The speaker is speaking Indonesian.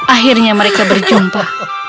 akhirnya mereka berjumpa